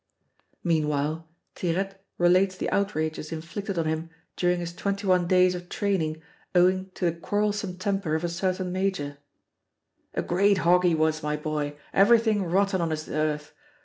Meanwhile Tirette relates the outrages inflicted on him during his twenty one days of training owing to the quarrelsome temper of a certain major: "A great hog he was, my boy, everything rotten on this earth.